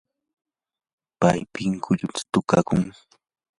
pay pinkullutam tukakun.